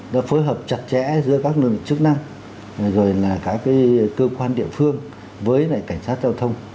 nó phối hợp chặt chẽ giữa các lực lượng chức năng rồi là các cái cơ quan địa phương với lại cảnh sát giao thông